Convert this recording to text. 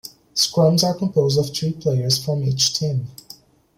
Scrums are composed of three players from each team.